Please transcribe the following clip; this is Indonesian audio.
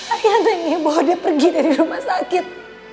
akhirnya neneknya bawa dia pergi dari rumah sakit